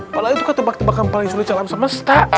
apalagi itu kan tebak tebakan paling sulit dalam semesta